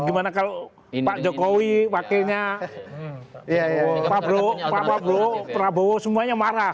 gimana kalau pak jokowi wakilnya pak prabowo semuanya marah